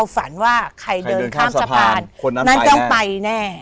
ฝันว่าใครเดินข้ามสะพานนั่นต้องไปแน่